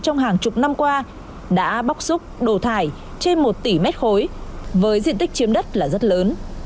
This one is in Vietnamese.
trong hàng chục năm qua đã bóc xúc đồ thải trên một tỷ m ba với diện tích chiếm đất rất lớn